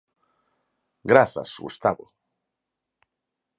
Grazas, Gustavo.